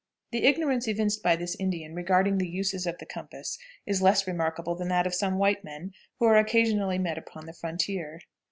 The ignorance evinced by this Indian regarding the uses of the compass is less remarkable than that of some white men who are occasionally met upon the frontier.